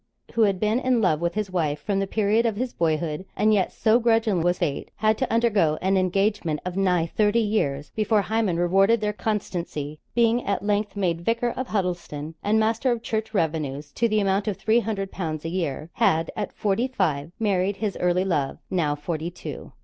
who had been in love with his wife from the period of his boyhood; and yet so grudging was Fate, had to undergo an engagement of nigh thirty years before Hymen rewarded their constancy; being at length made Vicar of Huddelston, and master of church revenues to the amount of three hundred pounds a year had, at forty five, married his early love, now forty two.